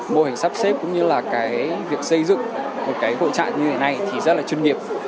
mô hình sắp xếp cũng như là cái việc xây dựng một cái hội trại như thế này thì rất là chuyên nghiệp